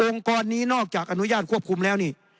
กรนี้นอกจากอนุญาตควบคุมแล้วนี่